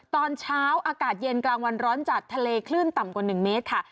ตอนเช้าอากาศเย็นกลางวันร้อนจัดทะเลคลื่นต่ำกว่า๑เมตรค่ะ